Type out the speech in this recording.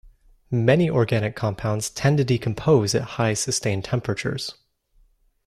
Many organic compounds tend to decompose at high sustained temperatures.